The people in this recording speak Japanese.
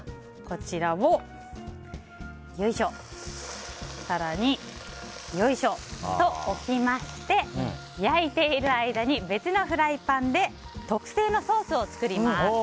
こちらを、よいしょ更に、よいしょと置きまして焼いている間に別のフライパンで特製のソースを作ります。